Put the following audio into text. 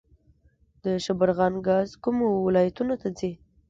د شبرغان ګاز کومو ولایتونو ته ځي؟